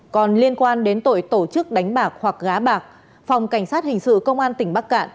còn liên quan đến tội tổ chức đánh bạc hoặc gá bạc phòng cảnh sát hình sự công an tỉnh bắc cạn